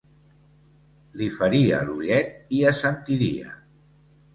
Li faria l'ullet i assentiria.